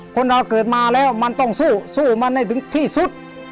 คนเราเกิดมาแล้วมันต้องสู้สู้มันให้ถึงที่สุด